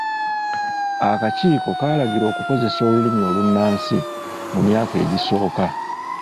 Akakiiko kalagira okukozesa Olulimi olunaansi mu myaka egisoooka.